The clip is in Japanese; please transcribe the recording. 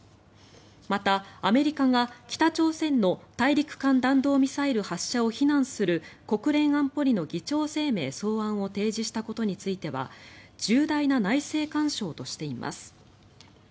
また、アメリカが北朝鮮の大陸間弾道ミサイル発射を非難する国連安保理の議長声明草案を提示したことについては重大な内政干渉としています。